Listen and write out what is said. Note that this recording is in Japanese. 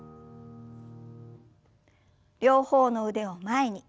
両方の腕を前に。